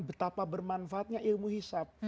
betapa bermanfaatnya ilmu hisap